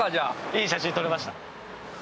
いい写真撮れました。